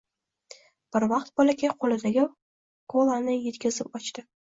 Bir vaqt bolakay qoʻlidagi kolani etkizib ochdi